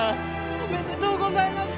おめでとうございます！